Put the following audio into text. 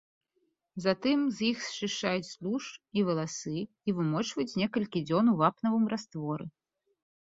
Затым з іх счышчаюць тлушч і валасы і вымочваюць некалькі дзён у вапнавым растворы.